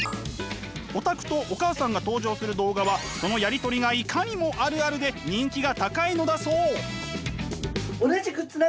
オタクとお母さんが登場する動画はそのやり取りがいかにもあるあるで人気が高いのだそう！